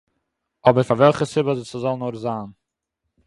, אָבער פאַר וועלכער סיבה ס'זאָל נאָר זיין